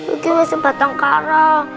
ini masih batangkara